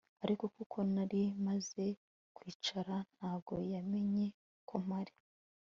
ariko kuko nari namaze kwicara ntago yamenye ko mpari